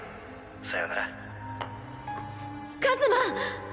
さよなら一馬！